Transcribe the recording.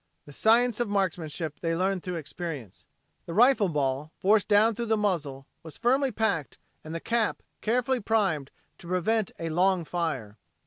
The science of marksmanship they learned through experience. The rifle ball, forced down through the muzzle, was firmly packed and the cap carefully primed to prevent a "long fire."